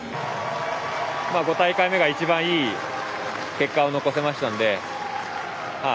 ５大会目が一番いい結果を残せましたので。